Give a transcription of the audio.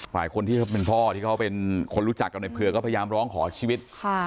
คนที่เป็นพ่อที่เขาเป็นคนรู้จักกับในเผือก็พยายามร้องขอชีวิต